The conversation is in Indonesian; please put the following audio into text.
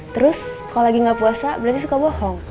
terus kalau lagi nggak puasa berarti suka bohong